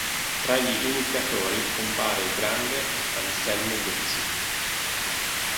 Tra gli iniziatori compare il grande Anselmo Bucci.